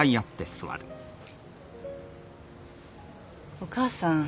お母さん